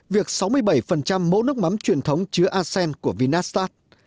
việc sáu mươi bảy mẫu nước mắm truyền thống chứa asean của vinatast